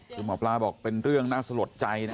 คือหมอปลาบอกเป็นเรื่องน่าสลดใจนะ